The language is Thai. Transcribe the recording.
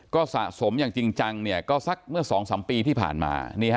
ก็สะสมอย่างจริงจังเนี้ยก็สักเมื่อสองสามปีที่ผ่านมานี่ฮะ